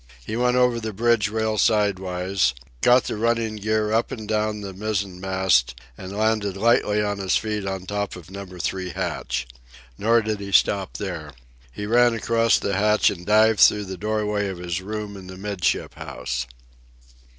He went over the bridge rail side wise, caught the running gear up and down the mizzen mast, and landed lightly on his feet on top of Number Three hatch. Nor did he stop there. He ran across the hatch and dived through the doorway of his room in the 'midship house.